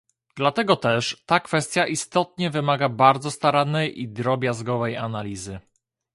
Dlatego też ta kwestia istotnie wymaga bardzo starannej i drobiazgowej analizy